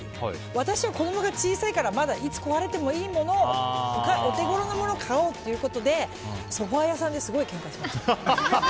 私は子供が小さいからまだいつ壊れてもいいものお手頃な物を買おうということでソファ屋さんですごいけんかしました。